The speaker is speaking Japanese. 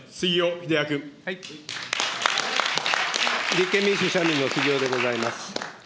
立憲民主・社民の杉尾でございます。